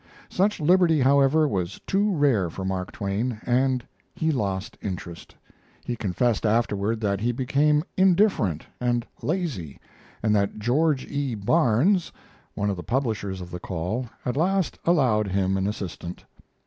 Such liberty, however, was too rare for Mark Twain, and he lost interest. He confessed afterward that he became indifferent and lazy, and that George E. Barnes, one of the publishers of the Call, at last allowed him an assistant.